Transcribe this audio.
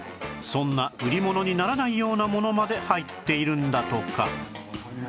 そんな売り物にならないようなものまで入っているんだとか